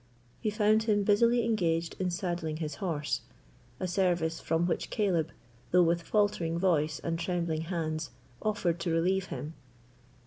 He found him busily engaged in saddling his horse, a service from which Caleb, though with faltering voice and trembling hands, offered to relieve him.